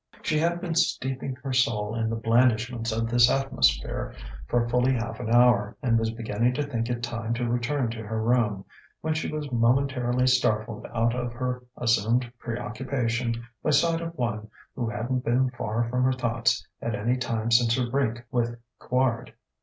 She had been steeping her soul in the blandishments of this atmosphere for fully half an hour, and was beginning to think it time to return to her room, when she was momentarily startled out of her assumed preoccupation by sight of one who hadn't been far from her thoughts at any time since her break with Quard.